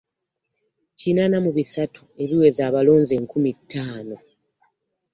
Kinaana mu bisatu ebiweza abalonzi enkumi ttaano